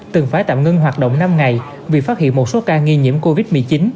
từng phải tạm ngưng hoạt động năm ngày vì phát hiện một số ca nghi nhiễm covid một mươi chín